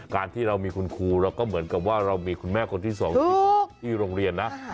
การที่เรามีคุณครูเราก็เหมือนกับว่าเรามีคุณแม่คนที่สองที่โรงเรียนนะ